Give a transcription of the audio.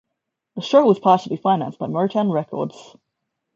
The show was partially financed by Motown Records.